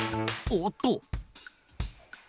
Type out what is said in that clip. おおっと。